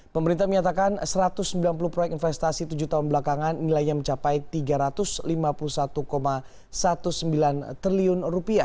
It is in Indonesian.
pemerintah menyatakan rp satu ratus sembilan puluh proyek investasi tujuh tahun belakangan nilainya mencapai rp tiga ratus lima puluh satu sembilan belas triliun